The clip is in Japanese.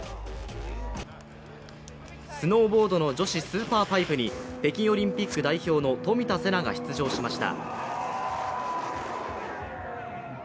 スノーボードの女子スーパーパイプに北京オリンピック代表の冨田せなが出場しました。